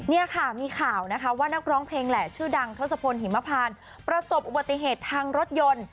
นี่ค่ะมีข่าวนะคะว่านักร้องเพลงแหละชื่อดังทศพลหิมพานประสบอุบัติเหตุทางรถยนต์